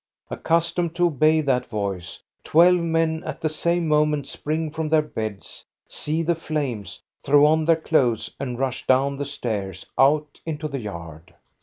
Accus tomed to obey that voice, twelve men at the same mo ment spring from their beds, see the flames, throw on their clothes, and rush down the stairs out into the yard.